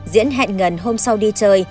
diễn hẹn ngân hôm sau đi chơi